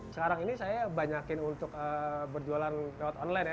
sekarang ini saya banyakin untuk berjualan lewat online ya